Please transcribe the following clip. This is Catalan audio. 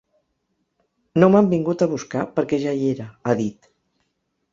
“No m’han vingut a buscar, perquè ja hi era”, ha dit.